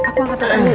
aku angkat telpon dulu